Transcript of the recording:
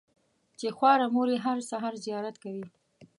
چې خواره مور یې هره سهار زیارت کوي.